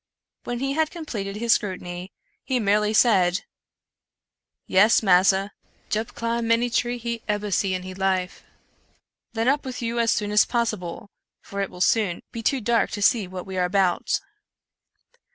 When he had completed his scrutiny, he merely said :" Yes, massa, Jup climb any tree he ebber see in he life." " Then up with you as soon as possible, for it will soon be too dark to see what we are about."